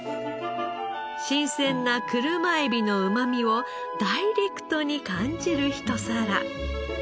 新鮮な車エビのうまみをダイレクトに感じるひと皿。